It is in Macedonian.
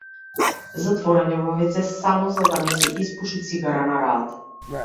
Затворање во вц само за да се испуши цигара на раат.